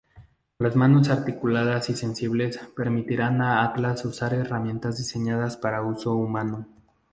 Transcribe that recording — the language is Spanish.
Las manos articuladas y sensibles permitirán a Atlas usar herramientas diseñadas para uso humano.